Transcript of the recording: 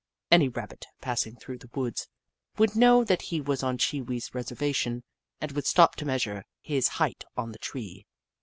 Any Rabbit, passing through the woods, would know that he was on Chee Wee's reservation, and would stop to measure his height on the tree.